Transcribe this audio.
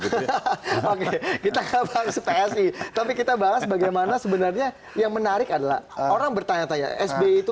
kita ke pas psi tapi kita bahas bagaimana sebenarnya yang menarik adalah orang bertanya tanya sbe itu